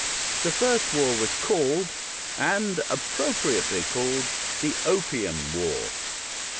The first war was called, and appropriately called, the Opium War.